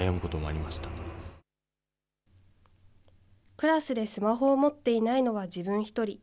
クラスでスマホを持っていないのは自分１人。